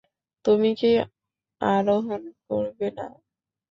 তুমি কি আরোহণ করবে না?